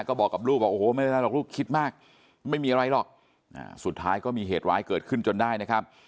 ก็บอกกับลูกว่าโอ้โหไม่ได้หรอกลูกคิดมากไม่มีอะไรหรอกสุดท้ายก็มีเหตุร้ายเกิดขึ้นจนได้นะครับ